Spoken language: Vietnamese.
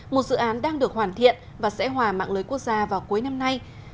một dự án đang được hoàn thiện và sẽ hòa mạng lưới quốc gia vào cuối năm nay